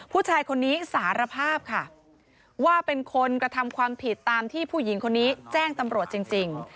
ผู้ชายคนนี้สารภาพค่ะว่าเป็นคนกระทำความผิดตามที่ผู้หญิงคนนี้แจ้งตำรวจจริง